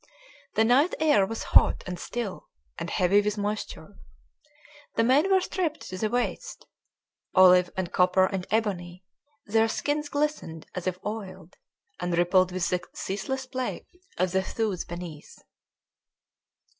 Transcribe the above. The night air was hot and still and heavy with moisture. The men were stripped to the waist. Olive and copper and ebony, their skins glistened as if oiled, and rippled with the ceaseless play of the thews beneath.